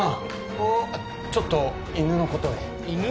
おっちょっと犬のことで犬？